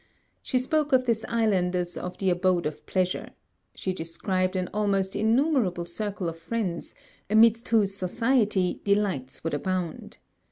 She spoke of this island as of the abode of pleasure. She described an almost innumerable circle of friends, amidst whose society delights would abound.